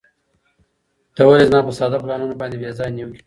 ته ولې زما په ساده پلانونو باندې بې ځایه نیوکې کوې؟